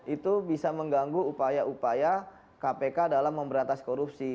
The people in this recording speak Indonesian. itu bisa mengganggu upaya upaya kpk dalam memberantas korupsi